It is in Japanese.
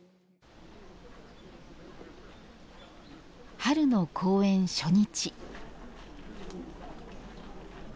春の公演初日。